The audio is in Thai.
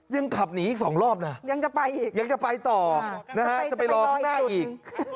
ยังขับหนีอีกสองรอบนะยังจะไปต่อจะไปรอหน้าอีก